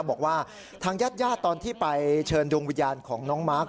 บอกว่าทางญาติญาติตอนที่ไปเชิญดวงวิญญาณของน้องมาร์ค